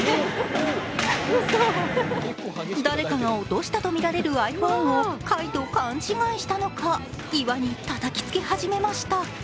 誰かが落としたとみられるｉＰｈｏｎｅを貝と勘違いしたのか、岩にたたきつけ始めました。